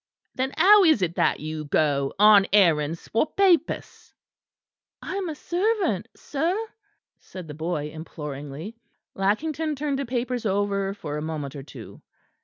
"Then how is it that you go on errands for papists?" "I am a servant, sir," said the boy imploringly. Lackington turned the papers over for a moment or two.